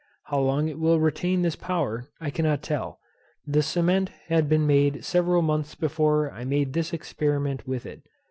How long it will retain this power I cannot tell. This cement had been made several months before I made this experiment with it.